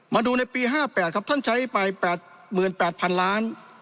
มาดูในปี๕๘ครับท่านใช้ไป๘๘๐๐๐ล้าน